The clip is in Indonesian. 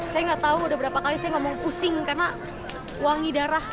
saya tidak tahu sudah berapa kali saya mengomong pusing karena wangi darah